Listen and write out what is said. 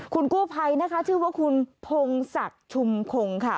คุณกู้ภัยนะคะชื่อว่าคุณพงศักดิ์ชุมพงศ์ค่ะ